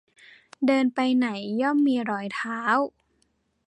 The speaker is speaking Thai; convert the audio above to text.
เดินไปไหนย่อมมีรอยเท้า